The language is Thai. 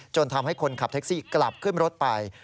ทำให้คนขับแท็กซี่กลับขึ้นรถไป